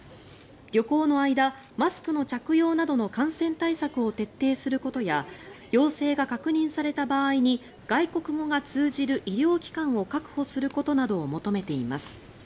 旅行の間、マスクの着用などの感染対策を徹底することや陽性が確認された場合に外国語が通じる医療機関を確保することなどを求めています。